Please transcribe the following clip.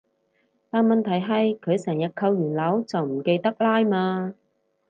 但問題係佢成日扣完鈕就唔記得拉嘛